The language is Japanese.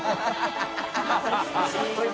ハハハ